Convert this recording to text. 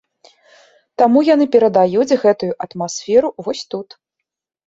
Таму яны перадаюць гэтую атмасферу вось тут.